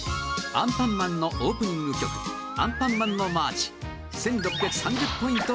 『アンパンマン』のオープニング曲『アンパンマンのマーチ』１６３０ポイント